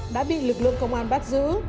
đã bị lực lượng công an bắt giữ